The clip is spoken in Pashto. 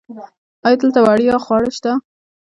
ایا دلته وړیا خواړه شته؟